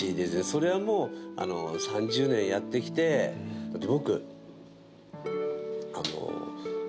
それはもう３０年やってきてだって